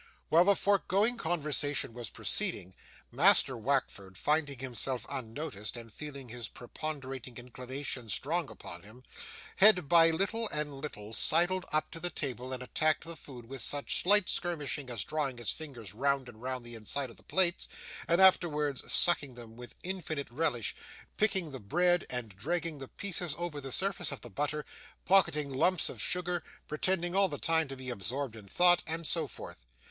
While the foregoing conversation was proceeding, Master Wackford, finding himself unnoticed, and feeling his preponderating inclinations strong upon him, had by little and little sidled up to the table and attacked the food with such slight skirmishing as drawing his fingers round and round the inside of the plates, and afterwards sucking them with infinite relish; picking the bread, and dragging the pieces over the surface of the butter; pocketing lumps of sugar, pretending all the time to be absorbed in thought; and so forth.